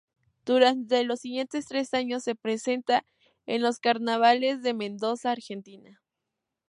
Durante los siguientes tres años se presentan en los Carnavales de Mendoza, Argentina.